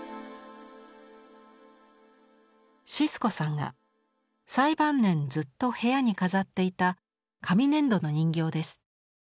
シスコさんが最晩年ずっと部屋に飾っていた紙粘土の人形です。